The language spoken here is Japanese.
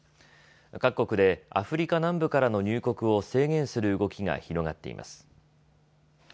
各国でアフリカ南部からの入国を制限する動きが広がっています。